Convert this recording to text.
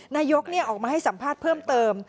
นายกออกมาให้สัมภาษณ์เพิ่มเติม